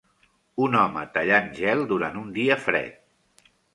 Un home tallant gel durant un dia fred.